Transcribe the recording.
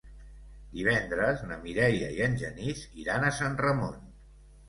Divendres na Mireia i en Genís iran a Sant Ramon.